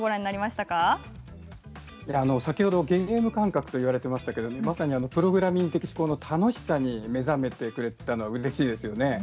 先ほどゲーム感覚と言っていましたがプログラミング的思考の楽しさに目覚めてくれたのはうれしいですね。